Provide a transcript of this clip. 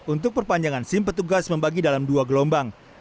untuk perpanjangan sim petugas membagi dalam dua gelombang